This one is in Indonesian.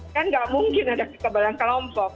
kan gak mungkin ada ketebalan kelompok